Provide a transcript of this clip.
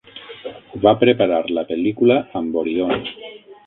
Va preparar la pel·lícula amb Orion.